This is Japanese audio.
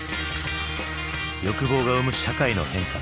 欲望が生む社会の変化。